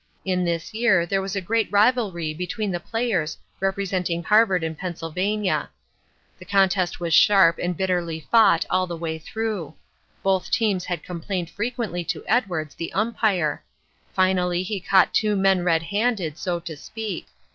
In this year there was great rivalry between the players representing Harvard and Pennsylvania. The contest was sharp and bitterly fought all the way through. Both teams had complained frequently to Edwards, the Umpire. Finally he caught two men red handed, so to speak.